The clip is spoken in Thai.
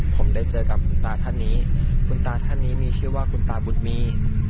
ผมได้เจอกับคุณตาท่านนี้คุณตาท่านนี้มีชื่อว่าคุณตาบุญมี